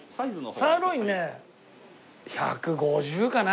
サーロインね１５０かな？